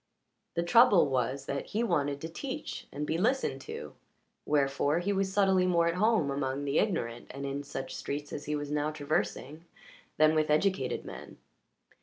The trouble was that he wanted to teach and be listened to; wherefore he was subtly more at home among the ignorant and in such streets as he was now traversing than with educated men.